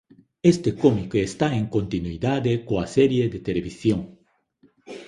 Este cómic está en continuidade coa serie de televisión.